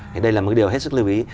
thì đây là một điều hết sức lưu ý